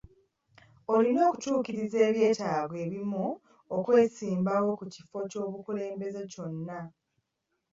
Olina okutuukiriza ebyetaago ebimu okwesimbawo ku kifo ky'obukulembeze kyonna.